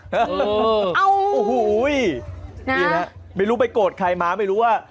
โอ้โหนี่ฮะไม่รู้ไปโกรธใครมาไม่รู้ว่า